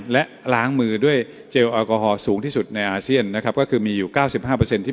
และก็จะเช่นกับไปในธีอะะเซียนดังนี้